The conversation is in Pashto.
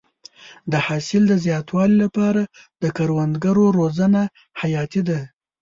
د حاصل د زیاتوالي لپاره د کروندګرو روزنه حیاتي ده.